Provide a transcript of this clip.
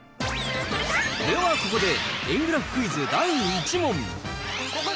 ではここで、円グラフクイズ第１問。